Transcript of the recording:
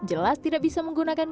jelas tidak bisa menggunakannya